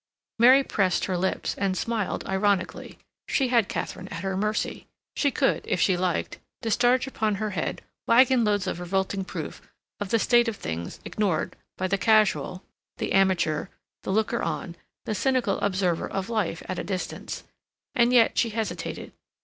Mary pressed her lips, and smiled ironically; she had Katharine at her mercy; she could, if she liked, discharge upon her head wagon loads of revolting proof of the state of things ignored by the casual, the amateur, the looker on, the cynical observer of life at a distance. And yet she hesitated.